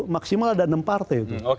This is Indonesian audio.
maksimal ada enam partai